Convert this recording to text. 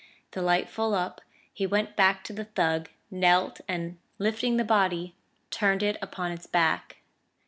The light full up, he went back to the thug, knelt and, lifting the body, turned it upon its back.